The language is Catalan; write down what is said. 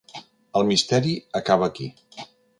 El misteri acaba aquí.